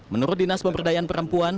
menurut dinas pemberdayaan perempuan